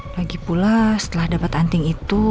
lagipula setelah dapat anting itu